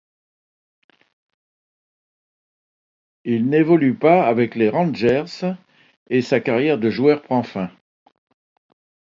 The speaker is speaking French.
Il n'évolue pas avec les Rangers et sa carrière de joueur prend fin.